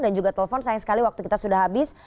dan juga telepon sayang sekali waktu kita sudah habis